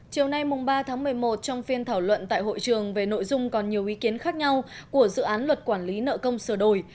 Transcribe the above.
chiều nay ba tháng một mươi một trong phiên thảo luận tại hội trường về nội dung còn nhiều ý kiến khác nhau của dự án luật quản lý nợ công sửa đổi